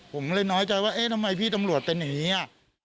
ผมเลยน้อยใจว่าเอ๊ะทำไมพี่ตำรวจเป็นอย่างนี้อ่ะ